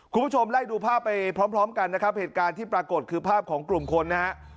คุณผู้ชมไล่ดูภาพไปพร้อมพร้อมกันนะครับเหตุการณ์ที่ปรากฏคือภาพของกลุ่มคนนะฮะ